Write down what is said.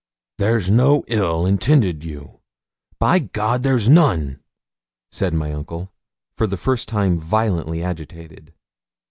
'There's no ill intended you; by there's none,' said my uncle, for the first time violently agitated.